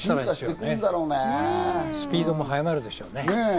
スピードも早まるでしょうね。